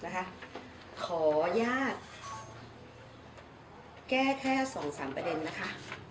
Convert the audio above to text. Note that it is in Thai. ขออนุญาตแก้แค่๒๓ประเด็นนะคะ